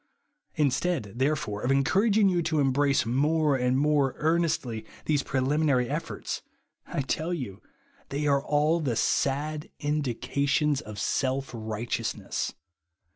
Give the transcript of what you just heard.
Instead, therefore, of encouraging you to embrace more and more earnestly these prelimi nary efforts, I tell you they are all the sad indications of self righteousness.